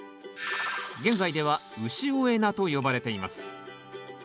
現在では潮江菜と呼ばれています。